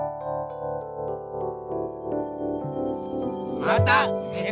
またねこ